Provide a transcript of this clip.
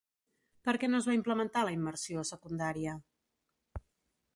Per què no es va implementar la immersió a secundària?